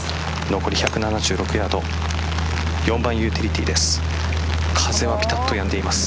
残り１７６ヤード４番ユーティリティーです。